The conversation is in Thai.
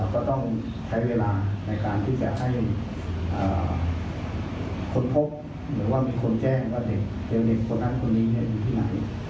ก็ต้องใช้เวลาในการที่จะให้ค้นพบหรือว่ามีคนแจ้งว่าเด็กคนนั้นคนนี้อยู่ที่ไหน